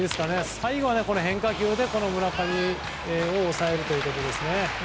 最後は変化球で村上を抑えたというところですね。